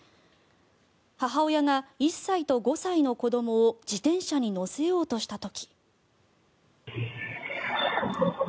母親が１歳と５歳の子どもを自転車に乗せようとした時。